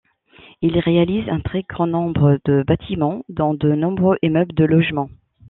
Il réalise un très grand nombre de bâtiments dont de nombreux immeubles de logement.